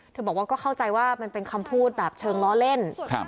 บอกว่าก็เข้าใจว่ามันเป็นคำพูดแบบเชิงล้อเล่น